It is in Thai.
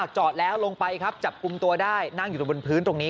จอดแล้วลงไปครับจับกลุ่มตัวได้นั่งอยู่ตรงบนพื้นตรงนี้